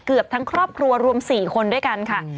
เกือบทั้งครอบครัวรวม๔คนด้วยกันค่ะ